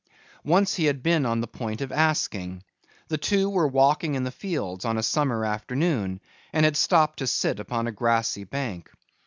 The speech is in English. Once he had been on the point of asking. The two were walking in the fields on a summer afternoon and had stopped to sit upon a grassy bank.